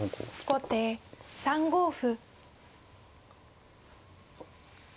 後手３五歩。